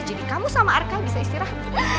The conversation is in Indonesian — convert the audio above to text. jadi kamu sama arka bisa istirahat